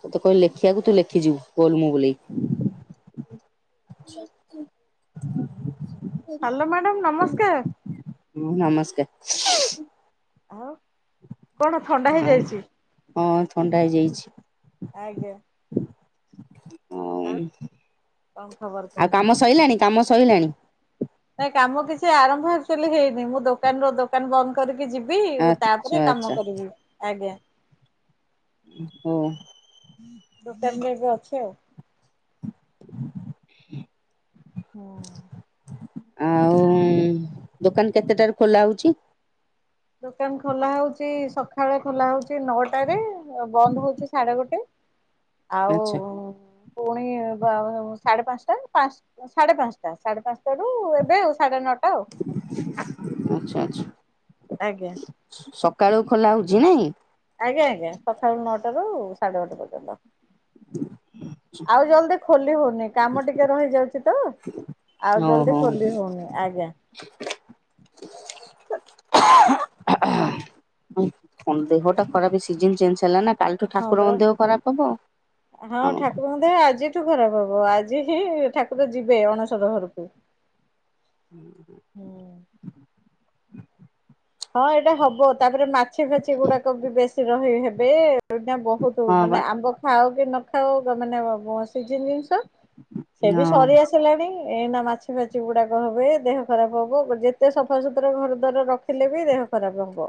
ତତେ କହିଲି ଲେଖିଆକୁ, ତୁ ଲେଖିଯିବୁ ଗୋଲ ମୁହଁ, ବୁଲେଇକି। ସ ସ୍ ହ୍ୟାଲୋ, ମ୍ୟାଡ଼ାମ୍ ନମସ୍କାର! ହୁଁ, ନମସ୍କାର। ଆଉ? କଣ ଥଣ୍ଡା ଆଉ ହେଇଯାଇଛି? ହଁ ଥଣ୍ଡା ହେଇଯାଇଛି ଆଜ୍ଞା। ଆଉ କଣ ଖବର [unintelligible] ଆଉ, କୁହନ୍ତୁ? କାମ ସଇଲାଣି, କାମ ସଇଲାଣି? ନାଇଁ, କାମ କିଛି ଆରମ୍ଭ ଆକ୍ଚୁଆଲି ହେଇନି। ମୁଁ ଦୋକାନ ର ଦୋ ଦୋକାନ ବନ୍ଦ କରିକି ଯିବି। ଆଚ୍ଛା ତା'ପରେ କାମ ଆଚ୍ଛା କରିବି ଆଜ୍ଞା। ଓ ହୋ। ଦୋକାନରେ ଏବେ ଅଛି ଆଉ। [inaudible] [inaudible] ଆଉ-ଉଁ ଦୋକାନ କେତେଟାରୁ ଖୋଲା ହଉଛି? ଦୋକାନ ଖୋଲା ହଉଛି, ସଖାଳ ଖୋଲା ହଉଛି। ନଅଟାରେ ବନ୍ଦ ହଉଛି ସାଢ଼େଗୋଟେ, ଆଉ ଆଚ୍ଛା ପୁଣି ବା ସାଢ଼େ ପାଞ୍ଚଟା, ପାଞ୍ଚ ସାଢ଼େ ପାଞ୍ଚଟା, ସାଢ଼େ ପାଞ୍ଚଟାରୁ ଏବେ ଆଉ ସାଢ଼େ ନଅଟା ଆଉ। ଆଛା ଆଛା। ଆଜ୍ଞା। ସକାଳୁ ଖୋଲା ହଉଚି, ନାଇଁ? ଆଜ୍ଞା ଆଜ୍ଞା, ସକାଳୁ ନଅଟାରୁ ର ସାଢ଼େ ଗୋଟେ ପର୍ଯ୍ୟନ୍ତ। [unintelligible] ଆଉ ଜଲଦି ଖୋଲି ହଉନି, କାମ ଟିକେ ରହିଯାଉଚି ତ। ଆଉ ଜଲଦି ଓହୋ ଖୋଲି ହଉନି, ଆଜ୍ଞା। ଦେହ ଟା ଖରାପ, ସିଜନି ଚେଞ୍ଜ ହେଲା ନା। କାଲିଠୁ ହଁ ପରା। ଠାକୁରଙ୍କ ଦେହ ଖରାପ ହବ, ଆମ କଣ? [unintelligible] ଆଜି ଆଜିଠୁ ଖରାପ ହବ, ଆଜି ହିଁ ଠାକୁର ଯିବେ ଅଣସର ଘରକୁ। ହୁଁ ହୁଁ। ହଁ ଏଇଟା ହବ, ତାପରେ ମାଛି ଫାଛି ଗୁଡାକ ବି ବେଶୀ ରହି ହେବେ। ସେଠା ବହୁତ, ହଁ ବା ମାନେ ଆମ୍ବ ଖାଅ କି ନ ଖାଅ, ମାନେ ସିଜିନି ଜିନିଷ। ସେ ବି ହଁ ସରି ଆସି ଆସିଲାଣି, ଏଇନା ମାଛି ଫାଛି ଗୁଡାକ ହେବେ, ଦେହ ଖରାପ ହବ, ଯେତେ ସଫାସତୁରା ଘର ଦ୍ୱାର ରଖି ରଖିଲେ ବି ଦେହ ଖରାପ ହବ,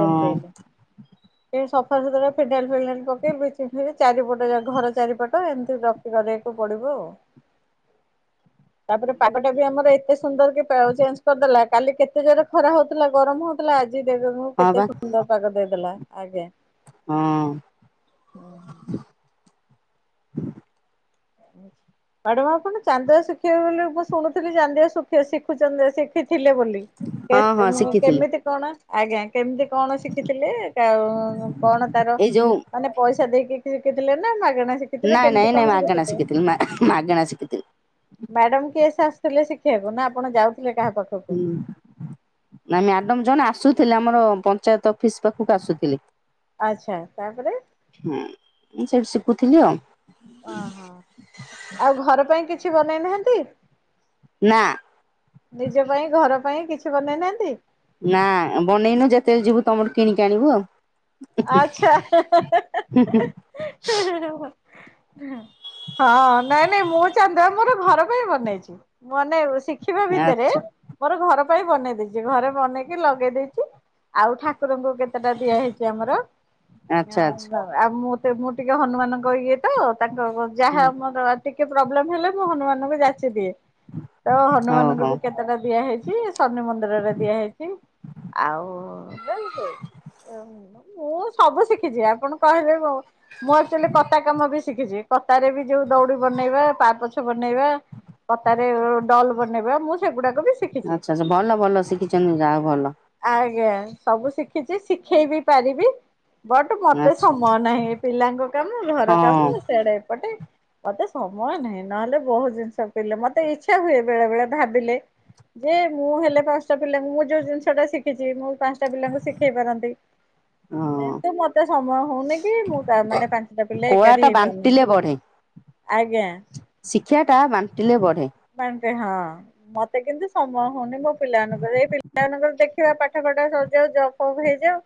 ଯେମିତି ହେଲେ। ସଫା ସୁତୁରା, ଫିନାଇଲ ଫିନାଇଲ ପକେଇ, ବ୍ଲିଚିଙ୍ଗ ଫ୍ଲିଚଙ୍ଗ, ଚାରିପଟ ଯାକ ଘର ଚାରିପଟ ତ, ଏମିତି ରଖି କରିବାକୁ ପଡିବ ଆଉ। ତାପରେ ପାଗଟା ବି ଆମର ଏତେ ସୁନ୍ଦର କି, ପାଓ ଚେଞ୍ଜ କରିଦେଲା, କାଲି କେତେ ଜୋରେ ଖରା ହଉଥିଲା, ଗରମ ହଉଥ ଥିଲା, ଆଜି ଦେକୁନୁ ହଁ ବା କେତେ ସୁନ୍ଦର ପାଗ ଦେଇଦେଲା, ଆଜ୍ଞା। ହଁ। ମ୍ୟାଡାମ ଆପଣ ଚାନ୍ଦୁଆ ଶିଖିବେ ବୋଲି ମୁଁ ଶୁଣୁଥିଲି, ଚାନ୍ଦିଆ ଶୁଖ ଶିଖୁ ଚାନ୍ଦିଆ ଶିଖ ଶିଖିଥିଲେ ବୋଲି, ହଁ ହଁ ଶିଖିଥିଲି କେମିତି କଣ ଆଜ୍ଞା, କେମିତି କଣ ଶିଖିଥିଲେ? ଆଉ କଣ ତାର ଏଇ ଯୋଉ ମାନେ ପଇସା ଦେଇକି ଶିଖିଥିଲେ ନା, ମାଗଣା ଶିଖି ନାଇଁ ନାଇଁ ନାଁ, ମାଗଣା ଶିକି ଥିଲି, ମାଗେଣା ଶିକିଥିଲି। ମ୍ୟାଡମ୍ କିଏସେ ଆସୁଥିଲେ ଶିଖେଇବାକୁ, ନା ଆପଣ ଯାଉଥିଲେ କାହା ପାଖକୁ? ହୁଁ, ନା ମ୍ୟାଡମ ଜଣେ ଆସୁଥିଲେ ଆମର ପଞ୍ଚାୟତ ଅଫିସ୍ ପାଖକୁ ଆସୁଥିଲେ। ଆଚ୍ଛା ତାପରେ ହଁ, ସେଇଠି ଶିଖୁଥିଲି ଆଉ। ଓହୋ, ଆଉ ଘର ପାଇଁ କିଛି ବନେଇନାହାନ୍ତି? ନା। ନିଜ ପାଇଁ, ଘର ପାଇଁ, କିଛି ବନେଇନାହାନ୍ତି? ନା ବନେଇନୁ, ଯେତେଳେ ଯିବୁ ତମଠୁ କିଣିକି ଆଣିବୁ ଆଉ। ଆଛା, ହୁଁ ହୁଁ ହୁଁ ହୁଁ ହଁ, ନାଇଁ ନାଇଁ, ମୁଁ ଚାନ୍ଦୁଆ ମୋର ଘର ପାଇଁ ବନେଇଚି। ମନେଇବୁ, ଶିଖିବା ଭିତରେ ଆଚ୍ଛା ମୋର ଘର ପାଇଁ ବନେଇ ଦେଇଚି, ଘରେ ବନେଇକି ଲଗେଇ ଦେଇଚି ଆଉ ଠାକୁରଙ୍କୁ କେତେଟା ଦିଆହେଇଚି। ଆମର, ଆଚ୍ଛା ଆଚ୍ଛା ଆଉ ମୁତ ମୁଁ ଟିକେ ହନୁମାନଙ୍କ ଇଏ ତ, ତାଙ୍କ ଯାହା ମୋର ଟିକେ ପ୍ରୋବ୍ଲେମ ହେଲେ, ମୁଁ ହନୁମାନଙ୍କୁ ଯାଚି ଦିଏ, ତ ହଉ ହନୁମାନଙ୍କୁ ହଉ। ବି କେତ ଟା ଦିଆହଇଚି, ଶନି ମନ୍ଦିରରେ ଦିଆ ହେଇଚି, ଆଉ [unintelligible] ମୁଁ ସବୁ ଶିଖିଛି, ଆପଣ କହିବେ ମୁଁ, ମୁଁ ଆକଚୁଆଲି କତା କାମ ବି ଶିଖିଛି। କତାରେ ବି ଯୋଉ ଦଉଡି ବନେଇବା ପାପଛ ବନେଇବା କତାରେ ଡଲ ବନେଇବା ମୁଁ ସ ସେଗୁଡା କ ବି ସି ଆଚ୍ଛା ଆଛା ଭଲ ଭଲ ଶିଖିଛନ୍ତି ଯା ହଉ ଭଲ। ଆଜ୍ଞା ସବୁ ଶିଖିଛି ଶିଖେଇ ବି ପାରିବି। ବଟ୍ ମତେ ଆଚ୍ଛା ସମୟ ନାହିଁ ପିଲାଙ୍କ କାମ ଘର ହଁ। କାମ ସିଆଡେ ଏପଟେ। ମତେ ସମୟ ନାହିଁ ନହେଲେ ବହୁତ ଜିନିଷ ପିଲେ ମତେ ଇଚ୍ଛା ହୁଏ ବେଳେ ବେଳେ ଭାବିଲେ। ଯେ ମୁଁ ହେଲେ ପାଞ୍ଚଟା ପିଲାଙ୍କୁ ମୁଁ ଯୋଉ ଜିନିଷ ଟା ଶିଖିଛି ମୁଁ ପାଞ୍ଚଟା ପିଲାଙ୍କୁ ଶିଖେଇ ପାରନ୍ତି। ହଁ କିନ୍ତୁ ମତେ ସମୟ ହଉନି କି ମୁଁ କା ମାନେ ପାଞ୍ଚଟା ପିଲା କୋଳା ଏକାଠି ଟା ହେଇ ବାଣ୍ଟିଲେ ପାରୁନାହାନ୍ତି। ବଢେ ଆଜ୍ଞା। ଶିକ୍ଷା ଟା ବାଣ୍ଟିଲେ ବଢେ। ବାଣ୍ଟେ ହଁ। ମତେ କିନ୍ତୁ ସମୟ ହଉନି ମୋ ପିଲାମାନଙ୍କର ଏଇ ପିଲା ମାନଙ୍କର ଦେଖିବା ପାଠ ଫାଠ ସରିଯାଉ ଜବ୍ ଫବ୍ ହେଇଯାଉ।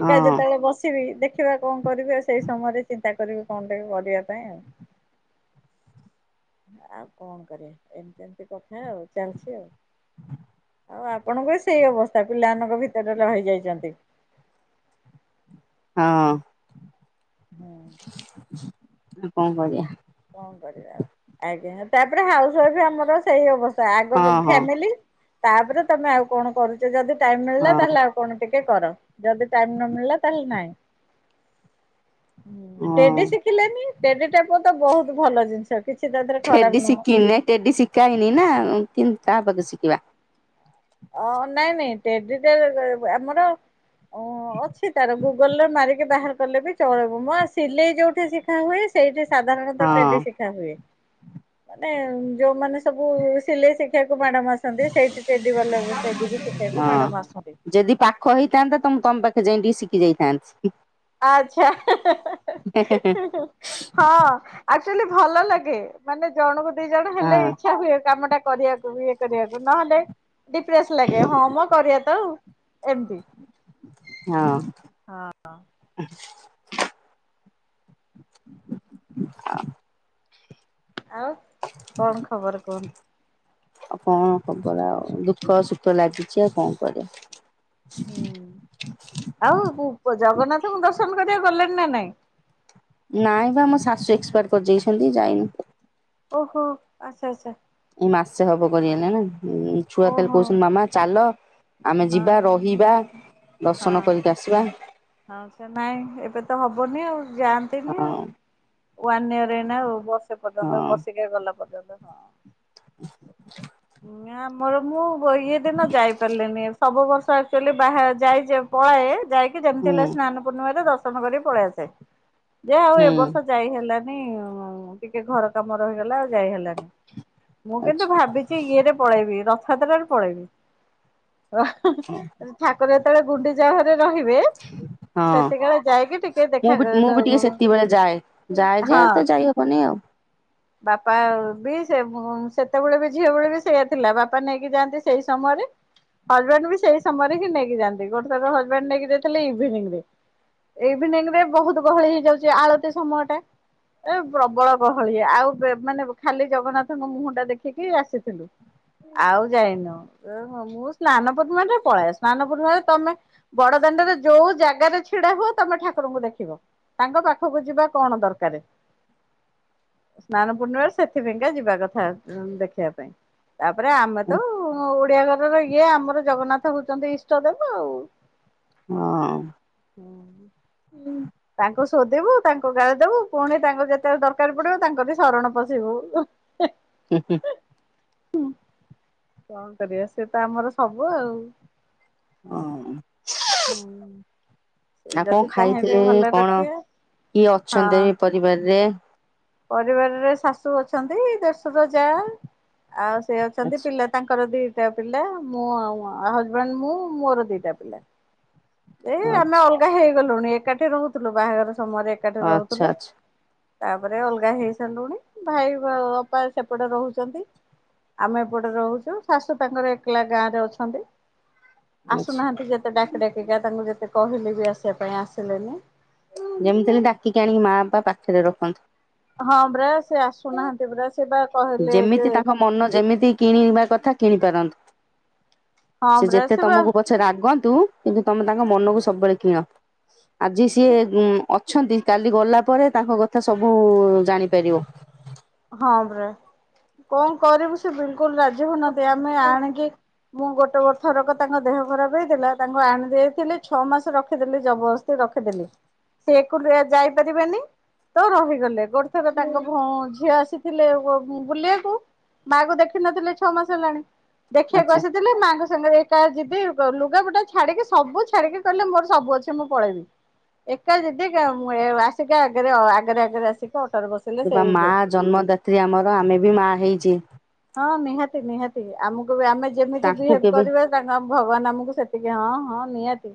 ହଁ ଯେତେବେଳେ ବସିବି ଦେଖିବା କଣ କରିବି ଆଉ ସେଇ ସମୟରେ ଚିନ୍ତା କ କରିବି କଁ ଟିକେ କରିବା ପାଇଁ ଆଉ ଆଉ କଣ କରିବା। ଏମତି ଏମିତି କଥା ଆଉ ଚାଲିଛି ଆଉ। ଆଉ ଆପଣଙ୍କ ବି ସେଇ ଅବସ୍ଥା ପିଲାମାନଙ୍କ ଭିତରେ ରହି ଯାଇଛନ୍ତି। ହଁ। ହୁଁ ଆଉ କଁ କରିବା। କଁ କରିବା ଆଉ ଆଜ୍ଞା ତାପରେ ହାଉସ ୱାଇଫ ଆମର ସେଇ ଅବସ୍ ଆଗ ହଁ ତ ହଁ ଫ୍ୟାମିଲି ତାପରେ ତମେ ଆଉ କଣ କରୁଛ ଯଦି ଟାଇମ ମିଳିଲା ହଁ ତାହେଲେ ଆଉ। କଣ ଟିକେ କର ଯଦି ଟାଇମ ନ ମିଳିଲା ତାହେଲେ ନହିଁ। ହୁଁ ହଁ। ଟେଡି ଶିଖିଲେନି ଟେଡି ଟା। ତ ବହୁତ ଭଲ ଜିନିଷ କିଛି ତା ଦେହରେ ଖରାପ ନୁହଁ। ହୁଁ ନାଇ ଟେଡ଼ି ସି ଖା ହେଇନି ନା କିନ୍ତ୍ କାହା ପାଖୁ ଶିଖିବା। ଅ ନାଇଁ ନାଇଁ ଟେଡି ଟା ଏ ଏ ଆମର। ଉଁ ଅଛି ତାର ଗୁଗଲ ରେ ମାରିକି ବାହାର କଲେ ବି ଚଳିବ ମୁଁ ବା ସିଲେଇ ଯୋଉଠି ସି ଖା ହୁଏ ସେଇଠି ସାଧାରଣତଃ ହଁ ଟେଡି ସି ଖା ହୁଏ ମାନେ ଯୋଉ ମାନେ ସବୁ ସିଲେଇ ଶିଖେଇ ବାକୁ ମ୍ୟାଡାମ ଆ ଆସନ୍ତି ସେଇଠି ଟେଡି ବାଲା ଟେଡି ବି ଶିଖେଇବାକୁ ହଁ ମ୍ୟାଡାମ ଆସନ୍ତି। ଯଦି ପାଖ ହେଇଥାନ୍ତା ତ ମୁଁ ତମ ପାଖେ ଯାଇ ଟିକି ଶିଖି ଯାଇଥାନ୍ତି। ଆଛା ହେଁ ହେଁ ହେଁ ହେଁ ହଁ ଆକ୍ଚୁଆଲି ଭଲ ଲାଗେ। ମାନେ ଜଣକୁ ଦି ଜଣ ହଁ ହେଲେ ଇଚ୍ଛା ହୁଏ କାମ ଟା କରିବାକୁ ଇଏ କରିବାକୁ ନହେଲେ। ଡିପ୍ରେସ୍ ଲାଗେ ହଁ ମ କରିବା ତ ଆଉ ଏମତି। ହଁ। ହଁ। ହଁ ଆଉ କଣ ଖବର କୁହନ୍ତୁ। ଆଉ କଁ ଖବର ଆଉ ଦୁଃଖ ସୁଖ ଲାଗିଛି ଆଉ କଣ କରିବା। ହୁଁ ଆଉ ପୁ ପ ଜଗନ୍ନାଥଙ୍କୁ ଦର୍ଶନ କରିବାକୁ ଗଲେଣି ନା ନାଇଁ। ନାଇଁ ବା ଆମ ଶାଶୁ ଏକ୍ସପାଡ୍ କରିଯାଇଛନ୍ତି ଯାଇନୁ। ଓହୋ ଆଛ ଆଛା। ଏଇ ମାସେ ହବ କରିଗଲେ ନା ଏ ଛୁଆ ଖାଲି ଓହୋ କହୁଛନ୍ତି ମାମା ଚାଲ ଆମେ ହଁ ଯିବା ର ହିବା ଦର୍ଶନ ହଁ କରିକି ଆସିବା। ହଁ ସେ ନାଇଁ ଏବେ ତ ହବନି ଆଉ ଯାଆନ୍ତିନି ଆଉ। ହଁ ୱାନ ଇୟର ଏଇନା ଆଉ ବସ ହଁ ପର୍ଯ୍ୟନ୍ତ ବର୍ଷିକା ଗଲା ପର୍ଯ୍ୟନ୍ତ ହଁ। [inaudible] ନା ଆମର ମୁଁ ଇଏ ଦିନ ଯାଇ ପାରିଲିନି ସବୁ ବର୍ଷ ଆକ୍ଚୁଲି ବାହା ଯାଇଚେ ପଳାଏ ଯାଇକି ଯେମିତି ହେଲେ ହୁଁ ସ୍ନାନ ପୂର୍ଣ୍ଣିମରେ ଦର୍ଶନ କରିକି ପଳେଇ ଆସେ। ଯେ ଆଉ ହୁଁ ଏବର୍ଷ ଯାଇ ହେଲାନି ଟିକେ ଘର କାମ ରହିଗଲା ଆଉ ଯାଇ ହେଲାନି ମୁଁ ଆଛା କିନ୍ତୁ ଭାବିଚି ଇଏରେ ପଳେଇବି ର ରଥଯାତ୍ରାରେ ପଳେଇବି। ହଁ ହଁ। ଠାକୁର ଯେତେବେଳେ ଗୁଣ୍ଡିଚା ଘରେ ରହିବେ ହଁ ସେତିକଳେ ଯାଇକି ଟିକେ ମୁଁ ଦେଖା ବି ମୁଁ କରଉ ବି ଟିକେ କ ସେତିକିବେଳେ ଯାଏ ଯାଏ ଯେ ତ ହଁ। ଯାଇ ହବନି ଆଉ। ବାପାବି ସେ ଵ ସେତେବେଳେବି ଝିଅ ବେଳେବି ସେଇଆ ଥିଲା ବାପା ନେଇକି ଯାଆନ୍ତି ସେଇ ସମୟରେ ହଜବେଣ୍ଡବି ସେଇ ସମୟରେହି ନେଇି ଯାଆନ୍ତି ଗୋଟେ ଥର ହଜବେଣ୍ଡ ନେଇକି ଯାଇଥିଲେ ଇଭିନିଂ ରେ। ଇଭିନିଂ ବହୁତ୍ ଗହଳି ହେଇଯାଉଚି ଆଳତି ସମୟଟା। ଏ ପ୍ରବଳ ଗହଳି ଆଉ ମାନେ ଖାଲି ଜଗନ୍ନାଥଙ୍କ ମୁହଁଟା ଦେଖିକି କି ଆସିଥିଲୁ ଆଉ ଯାଇନୁ। ଓହୋ ମୁଁ ସ୍ନାନ ପୂଣ୍ଣିମାରେ ପଳାଏ ସ୍ନାନ ପୂଣ୍ଣିମାରେ ତମେ ବଡ଼ଦାଣ୍ଡରେ ଯୋଉ ଜାଗାରେ ଛିଡ଼ା ହୁଅ ତମେ ଠାକୁରଙ୍କୁ ଦେଖିବ। ତାଙ୍କ ପାଖକୁ ଯିବା କଣ ଦରକାର୍। ସ୍ନାନ ପୂର୍ଣ୍ଣିମାରେ ସେଥିପାଇକା ଯିବା କଥା ଦେଖି ଖିବା ପାଇଁ ତାପରେ ହଁ ଆମେତ ଓଡିଆ ଘରର ଇଏ ଆମର ଜଗନ୍ନାଥ ହଉଛନ୍ତି ଇଷ୍ଟ ଦେବ ଆଉ। ହଁ। ହୁଁ। ହୁଁ। ତାଙ୍କୁ ଶୋଧିବୁ ତାଙ୍କୁ ଗାଳିଦବୁ ପୁଣି ତାଙ୍କୁ ଯେତେବେଳେ ଦରକାର ପଡ଼ିବ ତାଙ୍କରି ଶରଣ ପଶିବୁ। [inaudible] ହୁଁ ହୁଁ। ହଁ କଣ କରିବା ସେତ ଆମର ସବୁ ଆଉ। ହଁ। ହୁଁ। ସେ ଆଉ କଣ ଯଦି ଚାହିଁବେ ଖାଇଥିଲେ ଭଲରେ କଣ ରଖିବେ କିଏ ହଁ। ଅଛନ୍ତି ପରିବାରରେ? ପରିବାରରେ ଶାଶୁ ଅଛନ୍ତି ଦେଢଶୁର ଜା ଆଉ ସେ ଅଛନ୍ତି ଆଛା ପିଲା ତାଙ୍କର ଦିଟା ପିଲା ମୁଁ ଆଉ ହଜବେଣ୍ଡ ମୁଁ ମୋର ଦିଟା ପିଲା। ଏଇ ଆମେ ଆଛା ଅଲଗା ହେଇଗଲୁଣି ଏକାଠି ରହୁଥିଲୁ ବାହାଘର ସମୟରେ ଏକାଠି ଆଚ୍ଛା ଆଚ୍ଛା ରହୁଥିଲୁ। ତାପରେ ଅଲଗା ହେଇସାରିଲୁଣି ଭାଇ ଅପା ସେପଟେ ରହୁଚନ୍ତି। ଆମେ ଏପଟେ ରହୁଛୁ ଶାଶୁ ତାଙ୍କର ଏକଲା ଗାଁରେ ଅଛନ୍ତି। ଆଚ୍ଛା ଆସୁନାହାନ୍ତି ଯେତେ ଡାକି ଡାକିକା ତାଙ୍କୁ ଯେତେ କହିଲିବି ଆସିବା ପାଇଁ ଆସିଲେନି। ଯେମିତି ହେଲେ ଡାକିକି ଆଣିକି ମା ବାପା ପାଖରେ ରଖନ୍ତୁ। ହଁ ପରା ସେ ଆସୁନାହାନ୍ତି ପରା ସେ ବା କହିଲେ ଯେ ଯେମିତି ତାଙ୍କ ମନ ଯେମିତି କିଣିବା କଥା କିଣି ପାରନ୍ତୁ। ହଁ ସେ ପରା ଯେତେ ବା ତମକୁ ପଛେ ରାଗନ୍ତୁ କିନ୍ତୁ ତମେ ତାଙ୍କ ମନକୁ ସବୁବେଳେ କିଣ। ଆଜି ସିଏ ଅଛନ୍ତି କାଲି ଗଲା ପରେ ତାଙ୍କ କଥା ସବୁ ଜାଣିପାରିବ। ହଁ ପରା କଣ କରିବୁ ସେ ବିଲିକୁଲ୍ ରାଜି ହଉନାହାନ୍ତି ଆମେ ଆଣିକି ମୁଁ ଗୋଟେ ବର୍ଷ ଥରକ ତାଙ୍କ ଦେହ ଖରାପ ହେଇଥିଲା ତାଙ୍କୁ ଆଣିଦେଇଥିଲି ଛଅ ମାସ ରଖିଦେଲି ଜବରଦସ୍ତି ରଖିଦେଲି। ସେ ଏକୁଟିଆ ଯାଇପାରିବେନି ତ ରହିଗଲେ ଗୋଟେ ଥର ତାଙ୍କ ଭଉ ଝିଅ ଆସିଥିଲେ ବ ବ ବୁଲିବାକୁ ମା କୁ ଦେଖିନଥିଲେ ଛଅ ମାସ ହେଲାଣି ଦେଖିବାକୁ ଆଚ୍ଛା ଆସି ଥିଲେ ମାଙ୍କ ସାଙ୍ଗେ ଏକା ଯିବି ଗ ଲୁଗା ପଟା ଛାଡିକି ସବୁ ଛାଡିକି କହିଲେ ମୋର ସବୁ ଅଛି। କି ମୁଁ ପଳେଇମି ଏକା ଯିଦି କ ଏ ମୁଁ ଆସିକି ଆଗରେ ଅ ଆଗରେ ଆଗରେ ଆସିକି ଅଟରେ ବସ ସେ ବା ମା ଜନ୍ମଦାତ୍ରୀ ଆମର ଆମେ ବି ମା ହେଇଚି। ହଁ ନିହାତି ନିହାତି ଆମକୁ ଆମେ ଯେମିତି ତାଙ୍କୁ ବିହେଭ କେବେ କରିବା ତା କ ଭଗବାନ ଆମକୁ ସେତିକି ହଁ ହଁ ନିହାତି।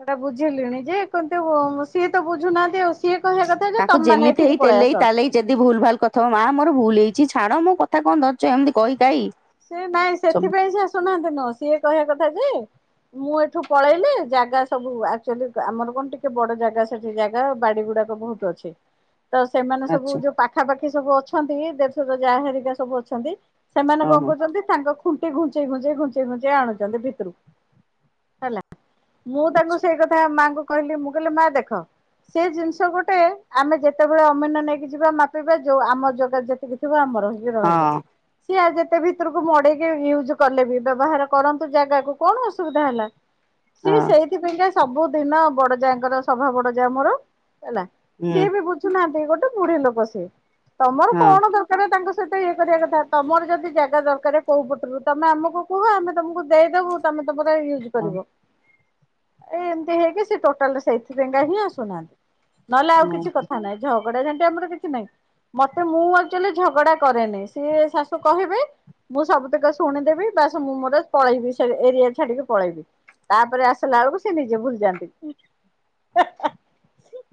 ସେଟା ବୁଝିଲିଣି ଯେ କନ୍ତୁ ସିଏ ତ ବୁଝୁନାହାନ୍ତି ଆଉ। ସିଏ କହିବା କଥା ଯେ ତମ ମାନେ ଏଠିକି ପଳେଇ ଆସ। ଯେଦି ଭୁଲ ଭାଲ କଥା ହବ ମା ମୋର ଭୁଲ ହେଇଛି ଛାଡ ମୁଁ କଥା କଣ ଧରିଚ ଏମିତି କହି କାଇ ସେ ନାଇଁ ସବୁ ସେଥିପାଇଁ ସେ ଆସୁନାହାନ୍ତି ନୁହ ସିଏ କହିବା କଥା ଯେ ମୁଁ ଏଠୁ ପଳେଇଲେ ଜାଗା ସବୁ ଆକ୍ଚୁଆଲି ଗା ଆମର କଣ ଟିକେ ବଡ ଜାଗା ସେଠି ଜାଗା ବାଡିଗୁଡା କ ବହୁତ ଅଛି। [inaudible] ତ ସେମାନେ ସବୁ ଆଚ୍ଛା ଯୋଉ ପାଖାପାଖି ସବୁ ଅଛନ୍ତି ଦେଢଶୁର ଯା ହେରିକା ସବୁ ଅଛନ୍ତି ସେମାନଙ୍କ ଓହୋ ଯେ ତାଙ୍କ ଖୁଣ୍ଟି ଘୁଞ୍ଚେଇ ଘୁଞ୍ଚେଇ ଘୁଞ୍ଚେଇ ଘୁଞ୍ଚେଇ ଆଣୁଛନ୍ତି ଭିତରକୁ ହେଲା। ମୁଁ ତାଙ୍କୁ ଆଛା ସେଇ କଥା ମାଆଙ୍କୁ କହିଲି ମୁଁ କହିଲି ମା ଦେଖ ସେ ଜିନିଷ ଗୋଟେ ଆମେ ଯେତେବେଳେ ଅମିନ ନେଇକି ଯିବା ମାପିବା ଯୋଉ ଆମ ଜଗା ଯେତିକି ଥିବ ଆମର ହିଁ ରହିବ ହଁ ସିଏ ଆ ଯେତେ ବି ଭିତରକୁ ମଡେଇକି ୟୁଜ କଲେ ବି ବ୍ୟବହାର କରନ୍ତୁ ଜାଗାକୁ କଣ ଅସୁବିଧା ହେଲା। ସିଏ ହଁ ସେଇଥିପାଇଁକା ସବୁ ଦିନ ବଡ ଯାଆଙ୍କର ସଭା ବଡ ଯା ମୋର ହେଲା। ହୁଁ ସିଏ ବି ବୁଝୁନାହାନ୍ତି ଗୋଟେ ବୁଢୀ ଲୋକ ସିଏ ତମର ହଁ କଣ ଦର କାର ତାଙ୍କ ସହିତ ଇଏ କରିବା କଥା ତମର ଯଦି ଜାଗା ଦରକାର କୋଉ ପଟରୁ ତମେ ଆମକୁ କୁହ ଆମେ ତମକୁ ଦେଇଦବୁ ତମେ ତମର ୟୁଜ ହଁ କରିବ। ଏଇ ଏମିତି ହେଇକି ସେ ଟୋଟାଲରେ ସେଇଥିପାଇଁ କା ହିଁ ଆସୁନାହାନ୍ତି। ନହେଲେ ଆଉ କିଛି କଥା ନାହିଁ ଝଗଡା ଝାଣ୍ଟି ଆମର କିଛି ନାହିଁ। ମତେ ମୁଁ ଆକ୍ଚୁଆଲି ଝଗଡା କରେନେଇ ସିଏ ଶାଶୁ କହିବେ ମୁଁ ସବୁ ତକ ଶୁଣିଦେବି ବାସ୍ ମୁଁ ମୋର ପଳେଇବି ସେ ଏରିଆ ଛାଡିକି ପଳେଇବି। ତାପରେ ଆସିଲା ବେଳକୁ ସେ ନିଜେ ଭୁଲି ଯାନ୍ତି।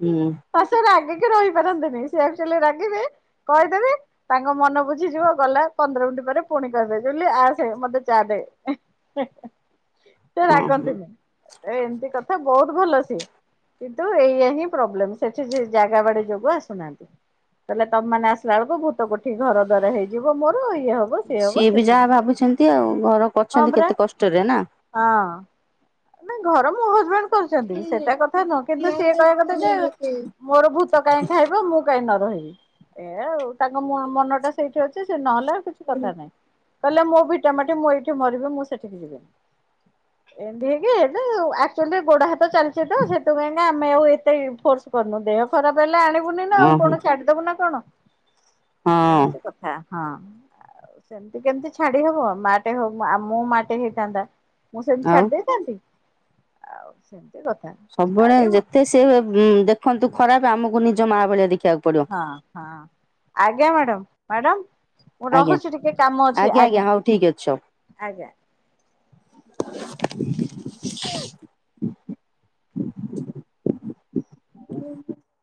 ହୁଁ। ଅ ସେ ରାଗିକି ରହିପାରନ୍ତିନି ସେ ଆକ୍ଚୁଆଲି ରାଗିବେ କହିଦେବି ତାଙ୍କ ମନ ବୁଝିଯିବ ଗଲା ପନ୍ଦର ମିନିଟ୍ ପରେ ପୁଣି କହିବେ ଜୁଲି ଆସେ ମତେ ଚା ଦେ। ସେ ଓହୋ ରାଗନ୍ତିନି ଏ ଏମିତି କଥା ବହୁତ ଭଲ ସିଏ। କିନ୍ତୁ ଏଇଆା ହିଁ ପ୍ରୋବ୍ଲେମ ସେଠି ସେ ଜାଗା ବାଡି ଯୋଗୁ ଆସୁନାହାନ୍ତି। କହିଲେ ତମେ ମାନେ ଆସିଲା ବେଳକୁ ଭୂତ କୋଠି ଘର ଦ୍ଵାର ହେଇଯିବ ମୋର ଇଏ ହବ ହବ ସିଏ ବି ଯାହା ସେଥିପାଇଁ ଭାବୁଛନ୍ତି ଆଉ ଘର ହଁ କଛନ୍ତି ପରା କେତେ କଷ୍ଟରେ ନା। ହଁ ନା ଘର ମୋ ହଜବେଣ୍ଡ କରଚନ୍ତି ସେଟା କଥା ନୁହଁ କିନ୍ତୁ ସିଏ କହିବା କଥା ଯେ ମୋର ଭୂତ କାହିଁ ଖାଇବ ମୁଁ କାହିଁ ନ ରହିବି ଏଇଆ ଆଉ ତାଙ୍କ ମ ମନ ଟା ସେଇଠି ଅଛି ସେ ନହେଲେ ଆଉ କିଛି କଥା ନାହିଁ। କହିଲେ ମୋ ଭିଟା ମାଟି ମୁଁ ଏଇଠି ମରିବି ମୁଁ ସେଠିକି ଯିବିନି। ଏମତି ହେଇକି ହେତୁ ଆକ୍ଚୁଆଲି ଗୋଡା ହାତ ଚାଲିଛି ତ ସେଥିପାଇଁକା ଆମେ ଆଉ ଏତେ ଫୋର୍ସ କରୁନୁ ଦେହ ଖରାପ ହେଲେ ଆଣିବୁନି ନା ଆଉ ଓହୋ କଣ ଛାଡିଦବୁ ନା କଣ। ଏ ହଁ ହଉଛି କଥା ହଁ ସେମିତି କେମିତି ଛାଡି ହବ ମାଟେ ହଉ ଆମ ମାଟେ ହେଇଥାନ୍ତା ମୁଁ ସେମିତି ଆଉ ଛାଡି ଦେଇଥାନ୍ତି ଆଉ ସେମିତି କଥା ସବୁବେଳେ ଛାଡିବନି ଯେତେ ସେ ଦେଖନ୍ତୁ ଖରାପ ଆମକୁ ନିଜ ମା ଭଳିଆ ଦେଖିବାକୁ ପଡ଼ିବ ହଁ ହଁ ଆଜ୍ଞା ମ୍ୟାଡ଼ାମ ମ୍ୟାଡ଼ାମ ମୁଁ ଆଜ୍ଞା ରହୁଛି ଟିକେ କାମ ଅଛି ଆଜ୍ଞା ହଉ ଠିକ୍ ଅଛି ସବୁ ଆଜ୍ଞା